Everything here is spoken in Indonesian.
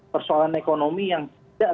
persoalan ekonomi yang tidak